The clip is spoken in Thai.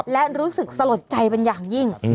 และรู้สึกสลดใจเป็นอย่างยิ่ง